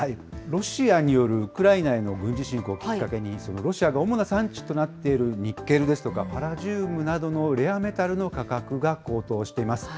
ロシアによるウクライナへの軍事侵攻をきっかけに、ロシアが主な産地となっているニッケルですとか、パラジウムなどのレアメタルの価格が高騰しています。